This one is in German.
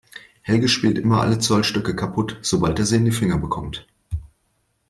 Helge spielt immer alle Zollstöcke kaputt, sobald er sie in die Finger bekommt.